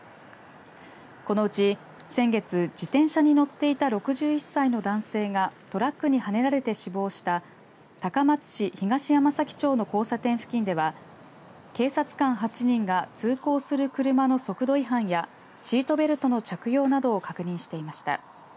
このうち、先月、自転車に乗っていた６１歳の男性がトラックにはねられて死亡した高松市東山崎町の交差点付近では警察官８人が通行する車の速度違反やシートベルトの着用などを確認していました。